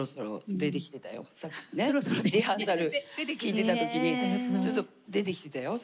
リハーサル聴いてた時にちょっと出てきてたよそろそろ。ね？